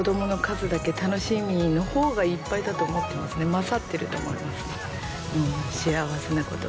勝ってると思いますね。